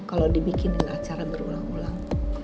kalau dibikinin acara berulang ulang